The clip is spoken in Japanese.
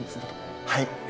はい。